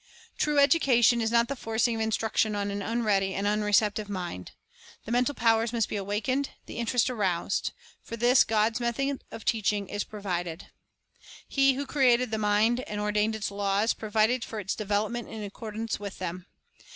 True education is not the forcing of instruction on an unready and un receptive mind. The mental powers must be awakened, the interest aroused. For this, God's method of teaching provided. He who created the mind and ordained its laws, provided for its develop ment in accordance with them.